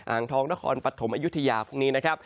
อ่างท้องตะคอนปัดถมอายุทธิยาภูมินี้